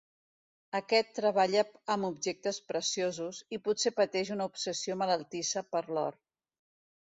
Aquest treballa amb objectes preciosos, i potser pateix una obsessió malaltissa per l'or.